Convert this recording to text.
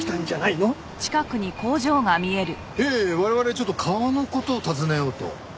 いえいえ我々ちょっと川の事を尋ねようと。